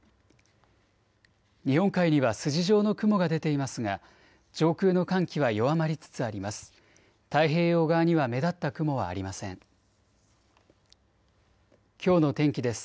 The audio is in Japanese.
日本海には筋状の雲が出ていますが、上空の寒気は弱まりつつあります。